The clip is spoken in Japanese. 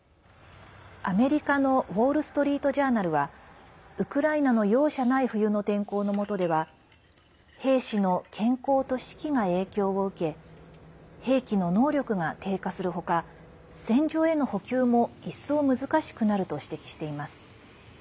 アメリカのウォール・ストリート・ジャーナルはウクライナの容赦ない冬の天候のもとでは兵士の健康と士気が影響を受け兵器の能力が低下する他戦場への補給も一層難しくなると指摘しています。